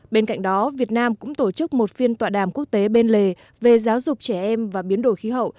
bên cạnh đó việt nam cũng tổ chức một phiên tọa đàm quốc tế bên lề về giáo dục trẻ em và biến đổi khí hậu